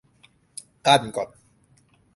กันก่อน